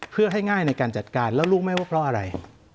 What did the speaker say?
เพื่อให้ง่ายในการจัดการแล้วรู้ไหมว่าเพราะอะไร